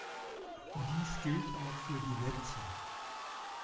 Dies gilt auch für die Netze.